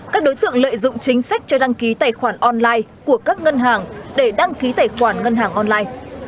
các đối tượng lợi dụng chính sách cho đăng ký tài khoản online của các ngân hàng để đăng ký tài khoản ngân hàng online